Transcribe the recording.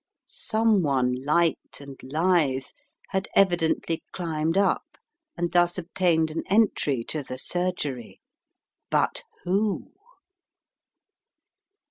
Someone light and lithe had evidently climbed up and thus obtained an entry to the surgery. But who